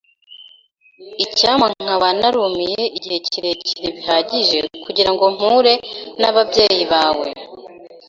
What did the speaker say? Icyampa nkaba narumiye igihe kirekire bihagije kugirango mpure nababyeyi bawe.